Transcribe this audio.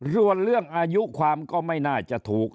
ส่วนเรื่องอายุความก็ไม่น่าจะถูก